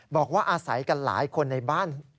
บอกว่าอาศัยกันหลายคนในบ้าน